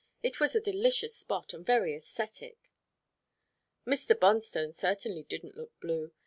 It was a delicious spot, and very æsthetic. Mr. Bonstone certainly didn't look blue.